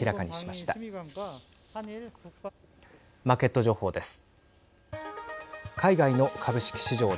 マーケット情報です。